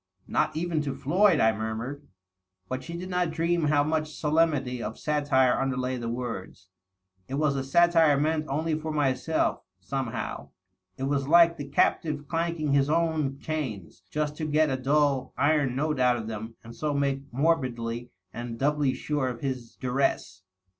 " Not even to Floyd ?" I murmured. But she did not dream how much solemnity of satire underlay the words ; it was a satire meant only for myself, somehow ; it was like the captive clanking his own chains, just to get a dull, iron note out of them and so make morbidly and doubly sure of his duress.